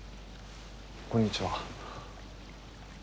こんにちは。